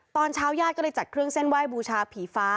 ตอนเช้าญาติก็เลยจัดเครื่องเส้นไหว้บูชาผีฟ้า